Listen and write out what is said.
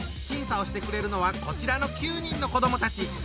審査をしてくれるのはこちらの９人の子どもたち。